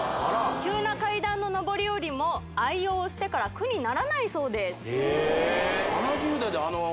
急な階段の上り下りも愛用してから苦にならないそうです